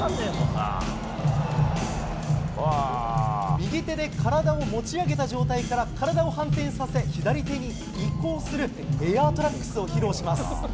右手で体を持ち上げた状態から体を反転させ左手に移行するエアートラックスを披露します。